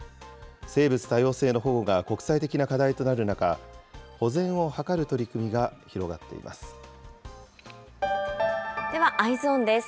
生物多様性の保護が国際的な課題となる中、保全を図る取り組みがではＥｙｅｓｏｎです。